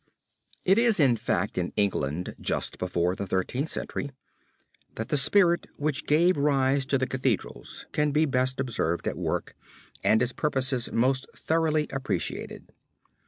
It is in fact in England just before the Thirteenth Century, that the spirit which gave rise to the Cathedrals can be best observed at work and its purposes most thoroughly appreciated.